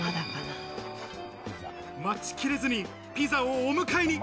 待ちきれずに、ピザをお迎えに。